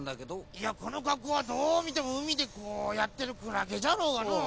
いやこのかっこうはどうみてもうみでこうやってるクラゲじゃろうがのう。